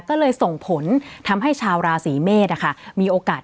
ก็เลยส่งผลทำให้ชาวราศีเมษ